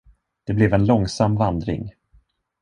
Det blev en långsam vandring.